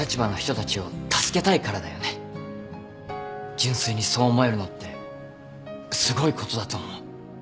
純粋にそう思えるのってすごいことだと思う。